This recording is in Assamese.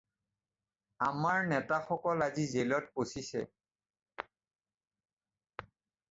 আমাৰ নেতাসকল আজি জেলত পচিছে।